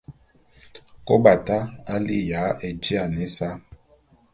Kôbata a li'iya éjiane ésa.